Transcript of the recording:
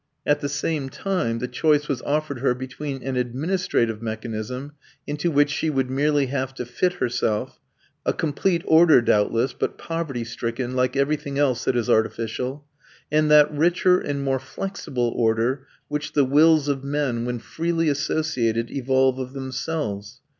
At the same time the choice was offered her between an administrative mechanism, into which she would merely have to fit herself a complete order, doubtless, but poverty stricken, like everything else that is artificial and that richer and more flexible order which the wills of men, when freely associated, evolve of themselves.